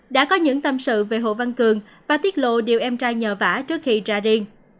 đã có những tâm sự về hồ văn cường và tiết lộ điều em trai nhờ vả trước khi ra điên